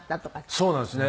そうなんですね。